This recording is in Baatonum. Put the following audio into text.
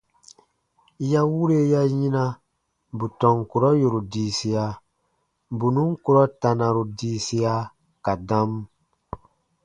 Ya wure ya yina bù tɔn kurɔ yòru diisia, bù nùn kurɔ tanaru diisia ka dam.